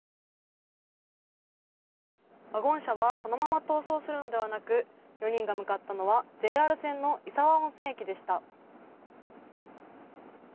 ワゴン車はそのまま逃走するのではなく４人が向かったのはＪＲ線の石和温泉駅でした。